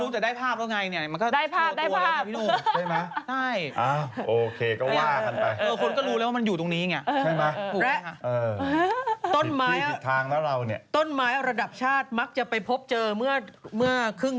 ที่ยังไงเห็นว่าหวยจะออกเลยต้องไปโหนแซวนิดนึง